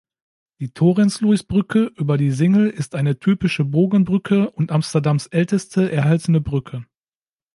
Die Torensluis-Brücke über die Singel ist eine typische Bogenbrücke und Amsterdams älteste erhaltene Brücke.